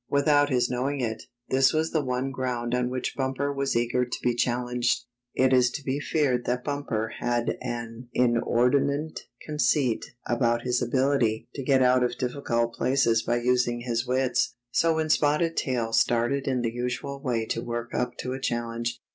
Without his knowing it, this was the one ground on which Bumper was eager to be challenged. It is to be feared that Bumper had an inordinate conceit about his ability to get out of difficult places by using his wits. So when Spotted Tail started in the usual way to work up to a challenge.